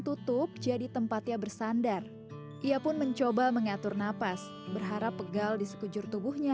tutup jadi tempatnya bersandar ia pun mencoba mengatur nafas berharap pegal di sekujur tubuhnya